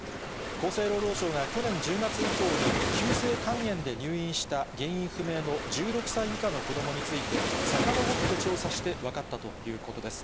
厚生労働省が去年１０月以降に、急性肝炎で入院した原因不明の１６歳以下の子どもについて、さかのぼって調査して分かったということです。